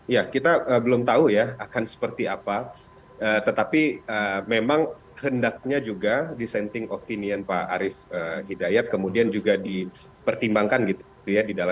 ya kita belum tahu ya akan seperti apa tetapi memang hendaknya juga dissenting opinion pak arief hidayat kemudian juga dipertimbangkan gitu ya